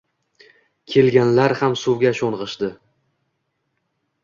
Kelganlar ham suvga sho`ng`ishdi